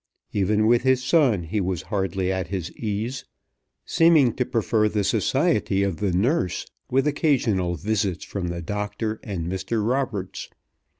Even with his son he was hardly at his ease, seeming to prefer the society of the nurse, with occasional visits from the doctor and Mr. Roberts.